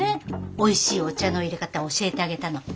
おいしいお茶のいれ方教えてあげたの。